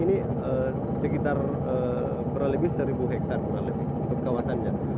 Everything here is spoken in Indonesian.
ini sekitar berlebih seribu hektare untuk kawasannya